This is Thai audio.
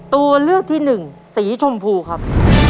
ตัวเลือกที่หนึ่งสีชมพูครับ